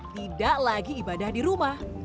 tidak lagi ibadah di rumah